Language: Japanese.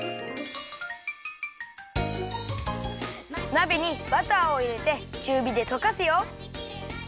なべにバターをいれてちゅうびでとかすよ。